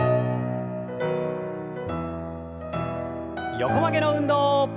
横曲げの運動。